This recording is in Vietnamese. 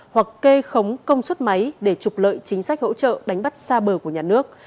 hoặc kê khống công suất máy để trục lợi chính sách hỗ trợ đánh bắt xa bờ của nhà nước